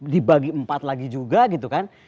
dibagi empat lagi juga gitu kan